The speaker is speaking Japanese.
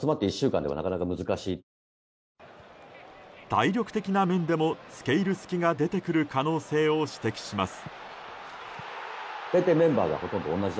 体力的な面でもつけ入る隙が出てくる可能性を指摘します。